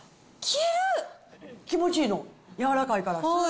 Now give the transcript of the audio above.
気持ちいいの、柔らかいから。